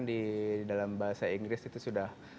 di dalam bahasa inggris itu sudah